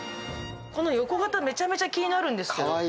この横型めちゃめちゃ気になるんですけど。